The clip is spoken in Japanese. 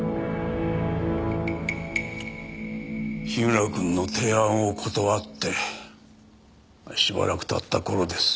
樋村君の提案を断ってしばらく経った頃です。